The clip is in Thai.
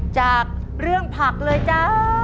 จากเรื่องผักเลยจ้า